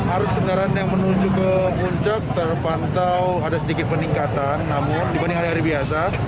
arus kendaraan yang menuju ke puncak terpantau ada sedikit peningkatan namun dibanding hari hari biasa